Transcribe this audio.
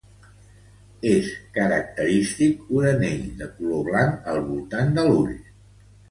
És característic un anell de color blanc al voltant de l'ull.